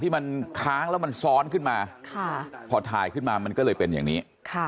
ที่มันค้างแล้วมันซ้อนขึ้นมาพอถ่ายขึ้นมามันก็เลยเป็นอย่างนี้